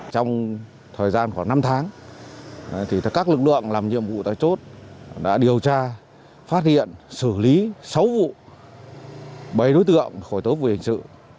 trong thời gian khoảng năm tháng các lực lượng làm nhiệm vụ tại chốt đã điều tra phát hiện xử lý sáu vụ bảy đối tượng khởi tố vụ hình sự